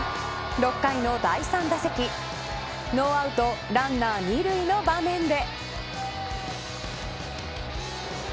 ６回の第３打席ノーアウトランナー二塁の場面で。